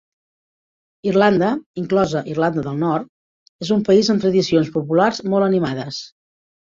Irlanda, inclosa Irlanda del Nord, és un país amb tradicions populars molt animades.